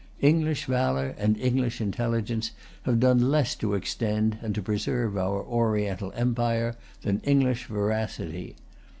English valour and English intelligence have done less to extend and to preserve our Oriental empire than English veracity.